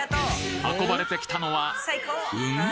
運ばれてきたのはうん？